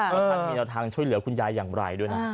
เพราะมีทางช่วยเหลือคุณยายอย่างไรด้วยนะ